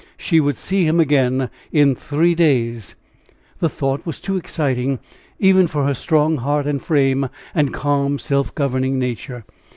She would see him again in three days! The thought was too exciting even for her strong heart and frame and calm, self governing nature!